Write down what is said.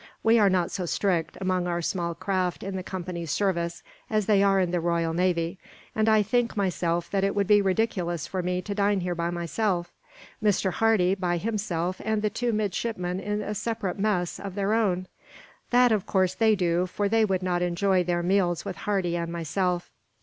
We are not so strict, among our small craft in the Company's service, as they are in the royal navy; and I think, myself, that it would be ridiculous for me to dine here by myself; Mr. Hardy, by himself; and the two midshipmen in a separate mess of their own. That of course they do, for they would not enjoy their meals with Hardy and myself."